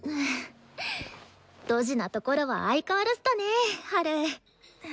ドジなところは相変わらずだねハル。